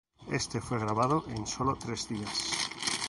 Éste fue grabado en sólo tres días.